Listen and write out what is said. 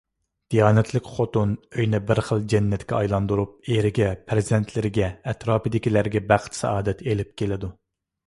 دىيانەتلىك خوتۇن ئۆينى بىر خىل جەننەتكە ئايلاندۇرۇپ، ئېرىگە، پەرزەنتلىرىگە، ئەتراپىدىكىلەرگە بەخت-سائادەت ئېلىپ كېلىدۇ.